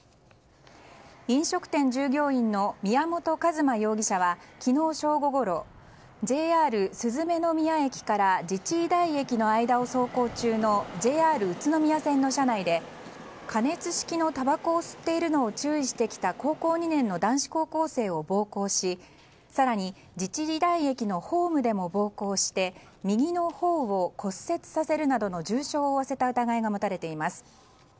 飲食店従業員の宮本一馬容疑者は昨日正午ごろＪＲ雀宮駅から自治医大駅の間を走行中のＪＲ宇都宮線の車内で加熱式のたばこを吸っているのを注意してきた高校２年の男子高校生を暴行し更に自治医大駅のホームでも暴行して右の頬を骨折させるなどの重傷を負わせた疑いが持たれています。